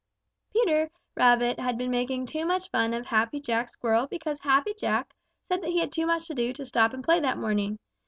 Peter Rabbit had been making fun of Happy Jack Squirrel because Happy Jack said that he had too much to do to stop and play that morning.